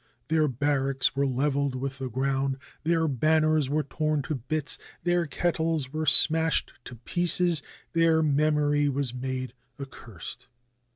Their barracks were leveled with the ground, their banners were torn to bits, their kettles were smashed to pieces, their memory was made accursed.